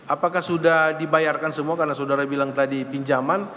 apakah sudah dibayarkan semua karena saudara bilang tadi pinjaman